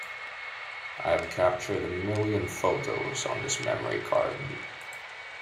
I have captured a million photos on this memory card.